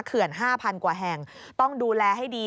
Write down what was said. เขื่อน๕๐๐กว่าแห่งต้องดูแลให้ดี